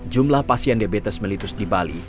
jumlah pasien diabetes melitus di bali